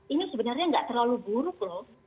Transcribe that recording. ini sebenarnya nggak terlalu buruk loh